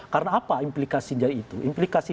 karena apa implikasi dari itu implikasi